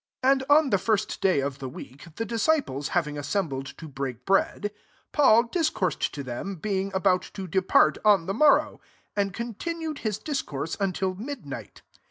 7 And on the first day of the tek, the disciples having as mbled to break bread, Paul $coursed to them, being about depart on the morrow ; and ntinued his discourse until dnight.